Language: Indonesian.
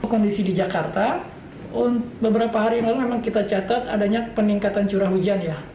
kondisi di jakarta beberapa hari yang lalu memang kita catat adanya peningkatan curah hujan ya